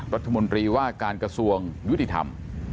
รัฐมนตรีว่าการกระทรวงยุติธรรม